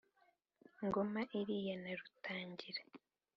ngoma iriya na rutangira